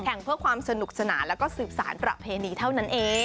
เอามาเต็ม